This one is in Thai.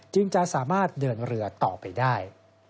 จะสามารถเดินเรือต่อไปได้